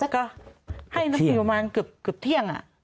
ก็ให้นักศึกษีประมาณเกือบเที่ยง